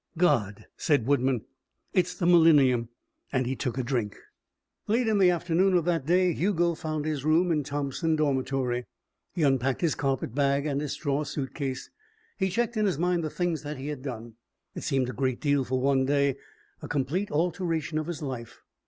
"God!" said Woodman, "it's the millennium!" And he took a drink. Late in the afternoon of that day Hugo found his room in Thompson Dormitory. He unpacked his carpet bag and his straw suitcase. He checked in his mind the things that he had done. It seemed a great deal for one day a complete alteration of his life.